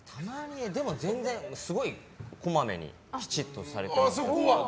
でも全然すごいこまめにきちっとされていて。